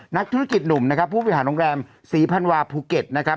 นักธุรกิจหนุ่มนะครับผู้บริหารโรงแรมศรีพันวาภูเก็ตนะครับ